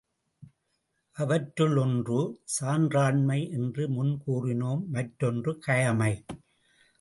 அவற்றுள் ஒன்று சான்றாண்மை என்று முன் கூறினோம் மற்றொன்று கயமை.